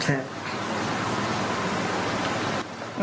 เจ็บซับ